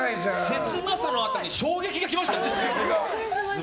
切なさのあとに衝撃が来ましたよね。